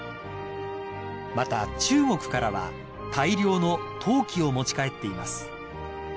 ［また中国からは大量の陶器を持ち帰っています］